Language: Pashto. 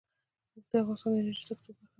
اوښ د افغانستان د انرژۍ سکتور برخه ده.